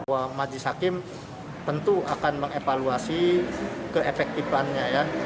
bahwa majlis hakim tentu akan mengevaluasi keefektifannya ya